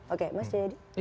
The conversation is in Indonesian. oke mas jayadi